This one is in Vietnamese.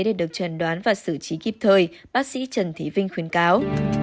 để được trần đoán và xử trí kịp thời bác sĩ trần thí vinh khuyến cáo